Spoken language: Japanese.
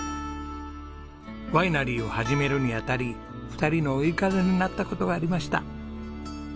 ワイナリーを始めるに当たり２人の追い風になった事がありました。